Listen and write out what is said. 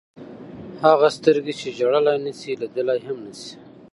هغه سترګې چې ژړلی نه شي لیدلی هم نه شي.